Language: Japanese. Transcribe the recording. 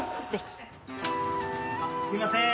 すいません。